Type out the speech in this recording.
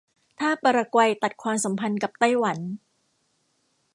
ถ้าปารากวัยตัดความสัมพันธ์กับไต้หวัน